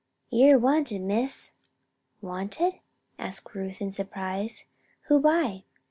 "Ye're wanted, Miss." "Wanted?" asked Ruth, in surprise. "Who by?"